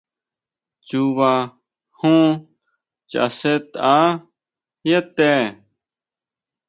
Chuba jon chasʼetʼa yá te.